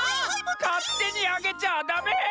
かってにあげちゃダメ！